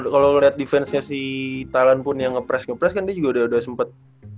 kalau red defense nya sih thailand punya ngepres ngepres kan juga udah sempet